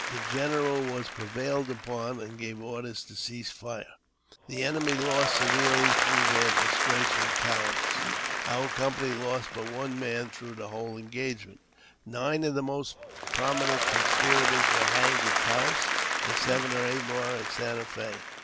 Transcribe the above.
The general was prevailed upon, and gave orders to cease firing. The enemy lost severely through their disgraceful cowardice. Our company lost but one man through the v/hole engagement. Nine of the most prominent conspirators were hanged at Taos, and seven or eight more at Santa F6.